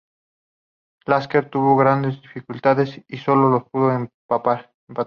Lasker tuvo grandes dificultades y sólo lo pudo empatar.